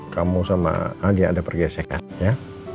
kamu sama ag ada pergesekan ya